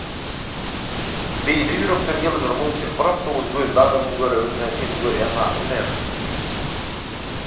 Beýle ýürekden ýylgyrmak üçin bir awtobus "gözli" adamyň görübilmän seniň görýän zadyň näme?